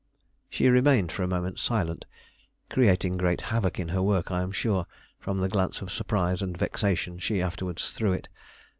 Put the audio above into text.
She remained for a moment silent, creating great havoc in her work I am sure, from the glance of surprise and vexation she afterwards threw it.